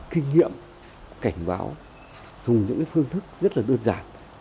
kinh nghiệm cảnh báo dùng những phương thức rất là đơn giản